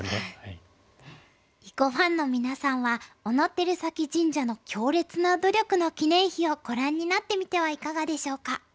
囲碁ファンの皆さんは小野照崎神社の「強烈な努力」の記念碑をご覧になってみてはいかがでしょうか。